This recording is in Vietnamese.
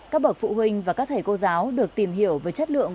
các bậc phụ huynh và các thầy cô giáo được tìm hiểu về chất lượng